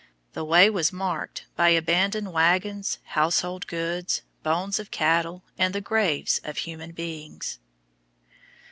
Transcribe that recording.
The way was marked by abandoned wagons, household goods, bones of cattle, and the graves of human beings.